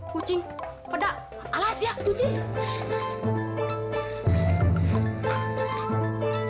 kucing pedak alas ya kucing